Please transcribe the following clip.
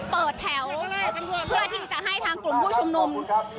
เปิดแถวเพื่อที่จะให้ทางกลุ่มผู้ชุมนุม